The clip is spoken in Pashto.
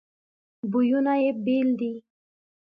بویونه یې بیل دي.